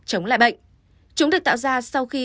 chống lại bệnh chúng được tạo ra sau khi